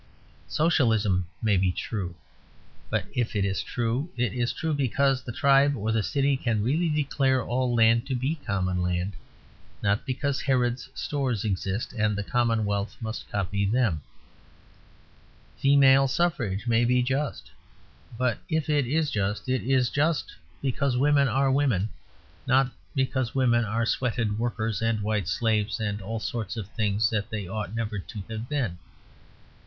Socialism may be true. But if it is true, it is true because the tribe or the city can really declare all land to be common land, not because Harrod's Stores exist and the commonwealth must copy them. Female suffrage may be just. But if it is just, it is just because women are women, not because women are sweated workers and white slaves and all sorts of things that they ought never to have been.